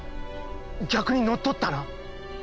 逆に乗っ取ったな！？